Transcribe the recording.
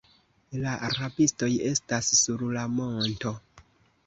La rabistoj estas sur la monto.